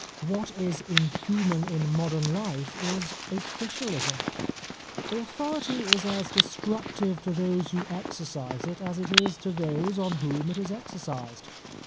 What is inhuman in modern life is officialism. Authority is as destructive to those who exercise it as it is to those on whom it is exercised.